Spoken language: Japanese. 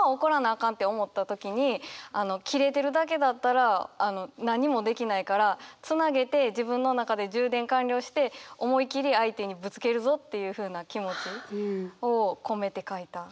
かんって思った時にキレてるだけだったら何もできないからつなげて自分の中で充電完了して思い切り相手にぶつけるぞっていうふうな気持ちを込めて書いた。